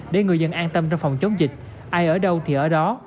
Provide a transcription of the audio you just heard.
để người dân an tâm trong phòng chống dịch ai ở đâu thì ở đó